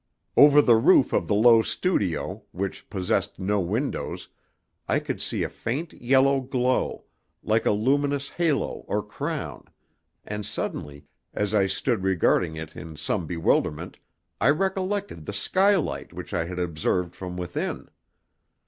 Over the roof of the low "studio," which possessed no windows, I could see a faint yellow glow, like a luminous halo or crown, and suddenly, as I stood regarding it in some bewilderment, I recollected the skylight which I had observed from within.